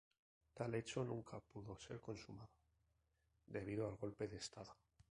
Tal hecho nunca pudo ser consumado debido al golpe de estado.